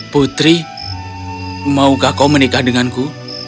putri maukah kau menikah denganku